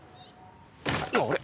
あれ？